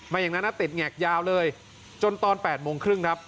อย่างนั้นนะติดแงกยาวเลยจนตอน๘โมงครึ่งครับ